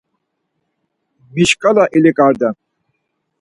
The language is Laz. Mi şkala ilaǩirdam?